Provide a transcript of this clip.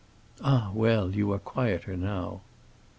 "Ah, well, you are quieter now."